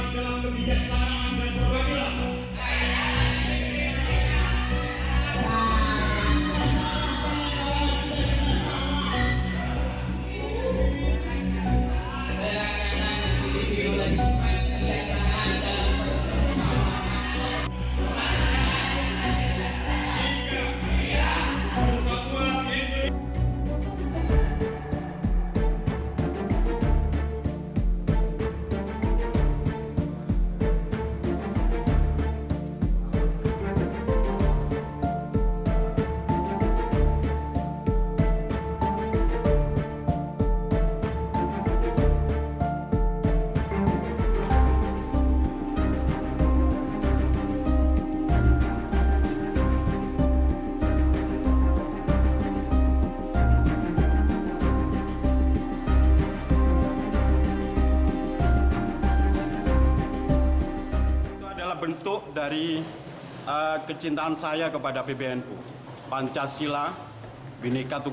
satu teguhanan yang rakyat